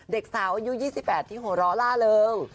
เด็กสาวอายุ๒๘ที่หัวเราะล่าเริง